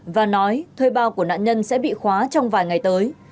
và nói thuê bao của nạn nhân sẽ bị khóa trong vài ngày tới